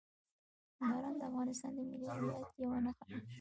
باران د افغانستان د ملي هویت یوه نښه ده.